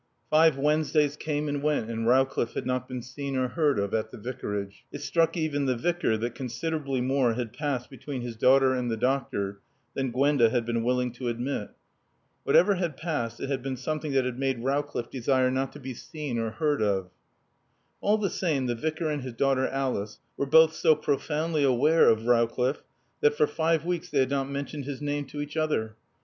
Five Wednesdays came and went and Rowcliffe had not been seen or heard of at the Vicarage. It struck even the Vicar that considerably more had passed between his daughter and the doctor than Gwenda had been willing to admit. Whatever had passed, it had been something that had made Rowcliffe desire not to be seen or heard of. All the same, the Vicar and his daughter Alice were both so profoundly aware of Rowcliffe that for five weeks they had not mentioned his name to each other.